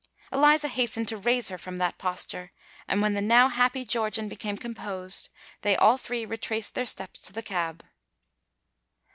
Eliza hastened to raise her from that posture; and when the now happy Georgian became composed, they all three retraced their steps to the cab.